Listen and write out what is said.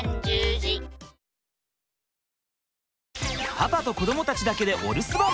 パパと子どもたちだけでお留守番。